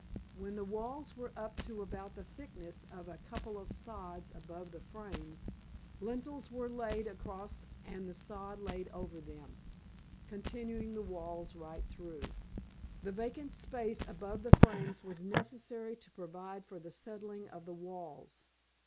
When the walls were up to about the thickness of a couple of sods above the frames, lintels were laid across and the sod laid over them, continuing the walls right through. The vacant space above the frames was necessary to provide for the settling of the walls.